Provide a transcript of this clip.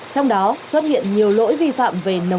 trong đó xuất hiện nhiều lỗi vi phạm về nồng độ cồn